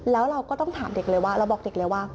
แล้วเราก็ต้องถามเด็กเลยว่าเราบอกเด็กเลยว่า